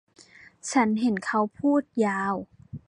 ฉันเห็นเขาพูดยาว